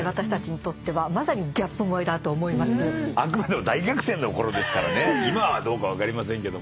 あくまでも大学生のころですから今はどうか分かりませんけど。